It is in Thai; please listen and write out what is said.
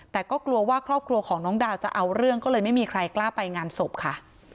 แต่ก็กลัวว่าครอบครัวของน้องดาวจะเอาเรื่องก็เลยไม่มีใครกล้าไปงานศพค่ะ